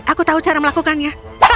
aku tahu cara melakukannya